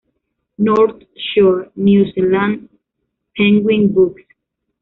North Shore, New Zealand: Penguin Books.